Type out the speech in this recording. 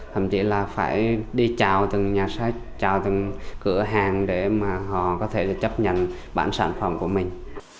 thậm chí là phải đi chào từng nhà sách chào từng cửa hàng để mà họ có thể chấp nhận bản sản phẩm của mình